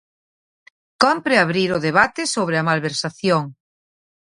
Cómpre abrir o debate sobre a malversación.